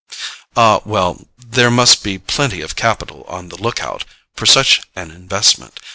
"Ah, well, there must be plenty of capital on the look out for such an investment.